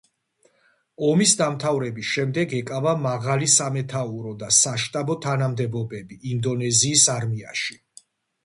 ომის დამტავრების შემდეგ ეკავა მარალი სამეთაურო და საშტაბო თანამდებობები ინდონეზიის არმიაში.